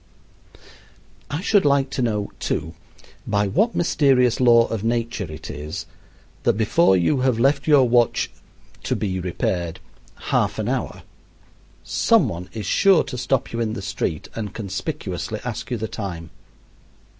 I should like to know, too, by what mysterious law of nature it is that before you have left your watch "to be repaired" half an hour, some one is sure to stop you in the street and conspicuously ask you the time.